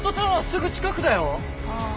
すぐ近くだよ。ああ。